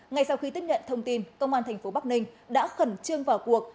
ngay sau khi tiếp nhận thông tin công an thành phố bắc ninh đã khẩn trương vào cuộc